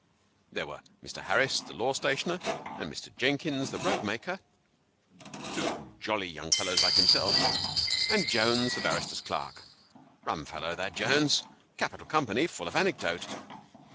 There were Mr. Harris, the law stationer, and Mr. Jennings, the robe maker (two jolly young fellows like himself), and Jones, the barrister's clerk rum fellow that Jones capital company full of anecdote